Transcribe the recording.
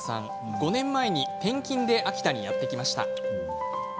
５年前に転勤で秋田にやって来ました。